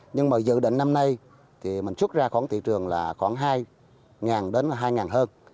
nhưng mà dự định năm nay thì mình xuất ra khoảng thị trường là khoảng hai đến hai hơn